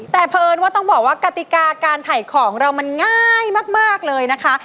แต่เพราะเอิญว่าต้องบอกว่ากติกาการถ่ายของเรามันง่ายมากเลยนะคะ